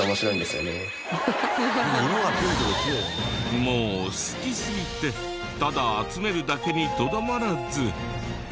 もう好きすぎてただ集めるだけにとどまらず。